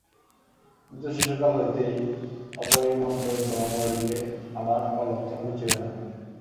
আমি তো শিশুকাল হইতেই অপয়মন্ত-নো মরিলে আমার অলক্ষণ ঘুচিবে না।